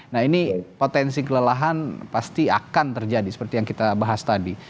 nah ini potensi kelelahan pasti akan terjadi seperti yang kita bahas tadi